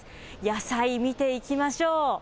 野菜、見ていきましょう。